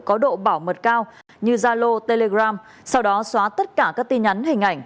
có độ bảo mật cao như zalo telegram sau đó xóa tất cả các tin nhắn hình ảnh